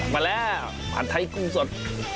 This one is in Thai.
มาแล้วผัดไทยกุ้งสด